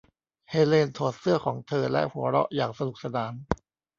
เฮเลนถอดเสื้อของเธอและหัวเราะอย่างสนุกสนาน